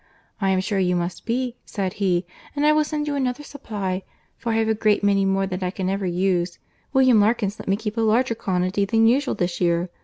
'I am sure you must be,' said he, 'and I will send you another supply; for I have a great many more than I can ever use. William Larkins let me keep a larger quantity than usual this year.